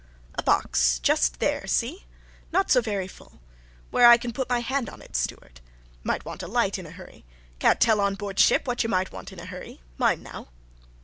"A box ... just there, see? Not so very full ... where I can put my hand on it, steward. Might want a light in a hurry. Can't tell on board ship what you might want in a hurry. Mind, now."